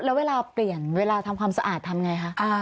แล้วเวลาเปลี่ยนเวลาทำความสะอาดทำไงคะ